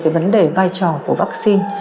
vấn đề vai trò của vắc xin